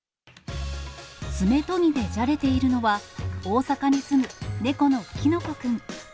爪研ぎでじゃれているのは、大阪に住む猫のきのこくん。